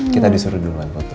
kita disuruh duluan papa